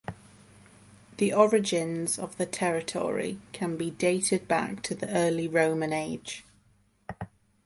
The origins of the territory can be dated back to the early Roman age.